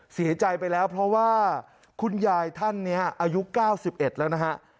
เสียใจไปแล้วเพราะว่าคุณยายท่านนี้อายุ๙๑แล้วนะฮะ